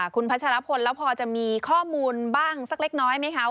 คุณพัชรพลแล้วพอจะมีข้อมูลบ้างสักเล็กน้อยไหมคะ